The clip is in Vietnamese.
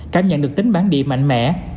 cảm nhận được tính bán địa mạnh mẽ